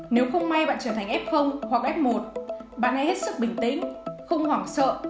nếu không may bạn trở thành f hoặc f một bạn ấy hết sức bình tĩnh không hoảng sợ